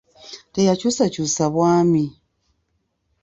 Teyakyusakyusa bwami.